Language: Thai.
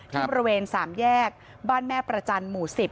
ที่บริเวณ๓แยกบ้านแม่ประจันทร์หมู่๑๐